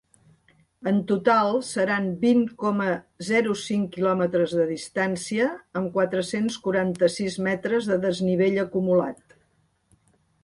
En total seran vint coma zero cinc quilòmetres de distància, amb quatre-cents quaranta-sis m de desnivell acumulat.